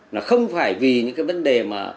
nó không phải vì những cái vấn đề mà